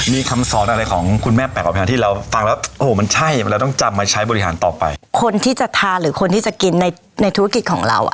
มีคำสอนอะไรของคุณแม่แปลกกว่าแพงที่เราฟังแล้วโอ้โหมันใช่มันเราต้องจำมาใช้บริหารต่อไปคนที่จะทานหรือคนที่จะกินในในธุรกิจของเราอ่ะ